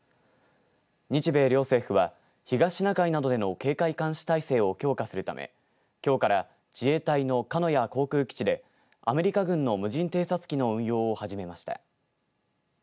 日米両政府は東シナ海などでの警戒監視体制を強化するためきょうから自衛隊の鹿屋航空基地でアメリカ軍の無人偵察機の運用を始めました。